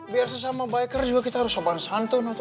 biar sesama biker juga kita harus sopan santun